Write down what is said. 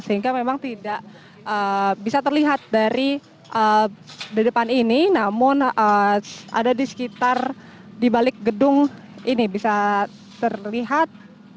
sehingga memang tidak bisa terlihat dari di depan ini namun ada di sekitar di balik gedung ini bisa terlihat